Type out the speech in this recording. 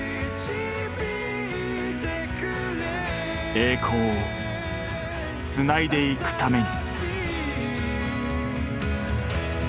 栄光をつないでいくために。